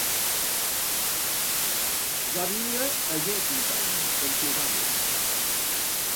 Va viure a Jenkintown, Pennsilvània.